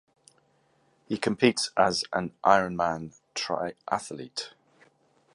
He competes as an Ironman triathlete.